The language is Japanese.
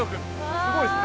すごいですね。